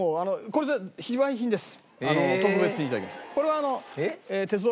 これ非売品です。